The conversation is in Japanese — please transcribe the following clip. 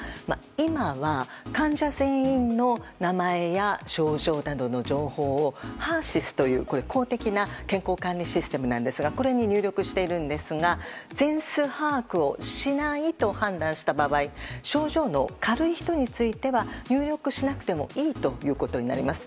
今は、患者全員の名前や症状などの情報をＨＥＲ‐ＳＹＳという公的な健康管理システムなんですがこれに入力しているんですが全数把握をしないと判断した場合症状の軽い人については入力しなくてもいいということになります。